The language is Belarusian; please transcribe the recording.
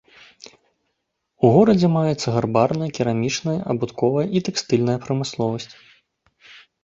У горадзе маецца гарбарная, керамічная, абутковая і тэкстыльная прамысловасць.